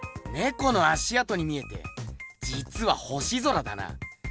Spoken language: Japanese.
この足あとに見えてじつは星空だな。